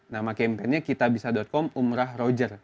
nama campaign nya kitabisa com umrah roger